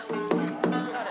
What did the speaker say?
誰？